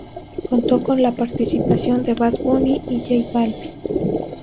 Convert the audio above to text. Contó con la participación de Bad Bunny y J Balvin.